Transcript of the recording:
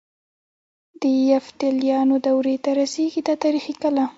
د یفتلیانو دورې ته رسيږي دا تاریخي کلا.